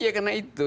ya karena itu